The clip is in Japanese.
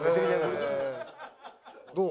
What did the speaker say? どう？